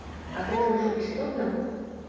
А гэта ўжо істотна.